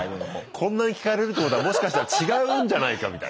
こんなに聞かれるってことはもしかしたら違うんじゃないかみたいな。